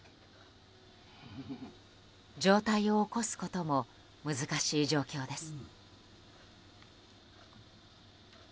上体を起こすことも難しい状況です。